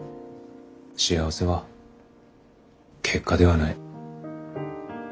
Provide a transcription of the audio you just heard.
幸せは結果ではない。